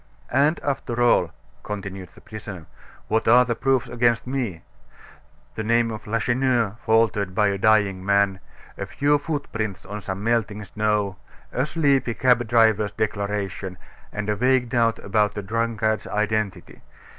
"And after all," continued the prisoner, "what are the proofs against me? The name of Lacheneur faltered by a dying man; a few footprints on some melting snow; a sleepy cab driver's declaration; and a vague doubt about a drunkard's identity.